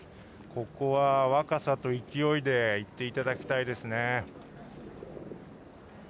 ここは若さと勢いでいっていただきたいですね。